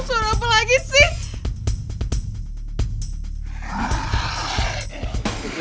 suara apa lagi sih